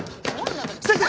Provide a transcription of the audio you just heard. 先生！